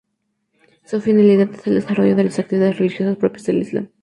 Su finalidad es el desarrollo de las actividades religiosas propias del Islam.